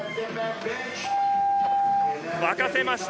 沸かせました。